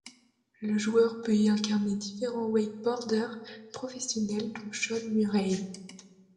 Le joueur peut y incarner différents wakeboarders professionnels dont Shaun Murray.